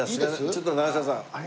ちょっと永島さん